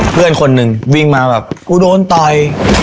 เพื่อนคนหนึ่งวิ่งมาแบบกูโดนต่อย